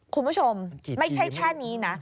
คุณผู้ชมไม่ใช่แค่นี้นะ